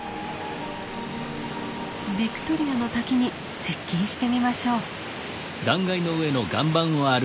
ビクトリアの滝に接近してみましょう。